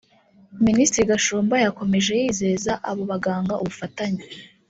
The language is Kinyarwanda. Minisitiri Gashumba yakomeje yizeza abo baganga ubufatanye